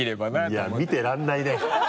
いや見てられないね。